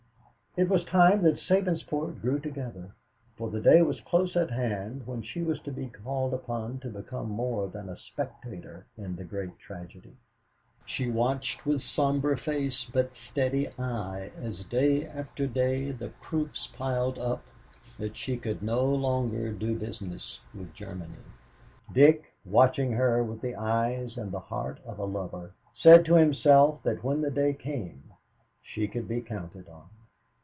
It was time that Sabinsport grew together, for the day was close at hand when she was to be called upon to become more than a spectator in the great tragedy. She watched with somber face but steady eye as day after day the proofs piled up that she could no longer do business with Germany. Dick, watching her with the eyes and the heart of a lover, said to himself that when the day came, she could be counted on.